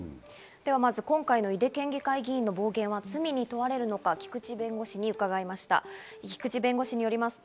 ではまず今回の井手県議会議員の暴言は罪に問われるのか菊地弁護士に伺いました。